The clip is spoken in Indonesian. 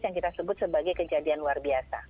yang kita sebut sebagai kejadian luar biasa